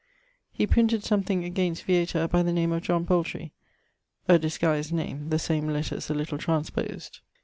He printed something against Vieta by the name of John Poulterey (a disguised name, the same letters a little transpos'd).